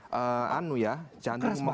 keras banget sih jantungnya